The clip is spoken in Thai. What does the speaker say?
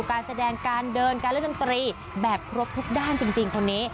การแสดงการเดินการเล่นดนตรีแบบครบทุกด้านจริงคนนี้